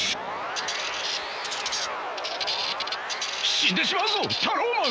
死んでしまうぞタローマン！